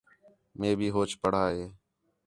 مے بھی ہوچ پڑھا ہے